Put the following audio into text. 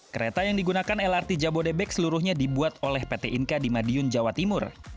kereta yang digunakan lrt jabodebek seluruhnya dibuat oleh pt inka di madiun jawa timur